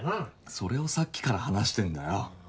それをさっきから話してんだよ！